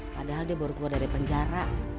padahal dia baru keluar dari penjara